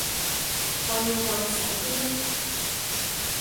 看了看手表